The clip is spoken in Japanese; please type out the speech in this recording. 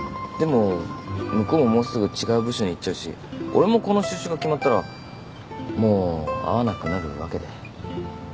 でも向こうももうすぐ違う部署に行っちゃうし俺もこの就職が決まったらもう会わなくなるわけで。